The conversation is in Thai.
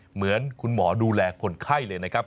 เหมือนคุณหมอดูแลคนไข้เลยนะครับ